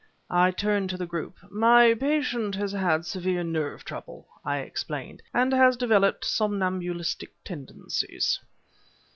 I turned to the group. "My patient has had severe nerve trouble," I explained, "and has developed somnambulistic tendencies."